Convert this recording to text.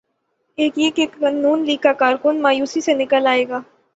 ایک یہ کہ نون لیگ کا کارکن مایوسی سے نکل آئے گا۔